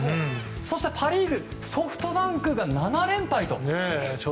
そしてパ・リーグソフトバンクが７連敗と。